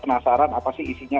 masalah apa sih isinya